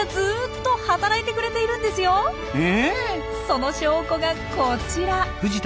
その証拠がこちら。